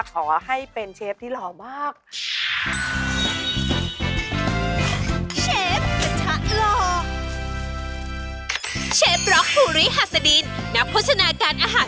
ขอให้เป็นเชฟที่หล่อมาก